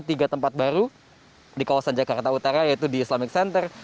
tiga tempat baru di kawasan jakarta utara yaitu di islamic center